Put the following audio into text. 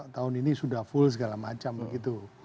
tahun ini sudah full segala macam gitu